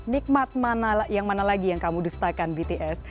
nikmat yang mana lagi yang kamu dustakan bts